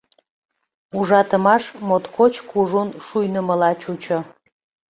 Ужатымаш моткоч кужун шуйнымыла чучо.